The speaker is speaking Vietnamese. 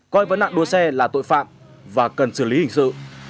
coi vấn nạn đua xe là tội phạm và cần xử lý hình sự